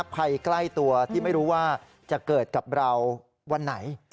ภัยใกล้ตัวที่ไม่รู้ว่าจะเกิดกับเราวันไหน